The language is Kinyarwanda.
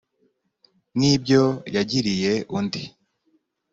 nk ibyo yagiriye undi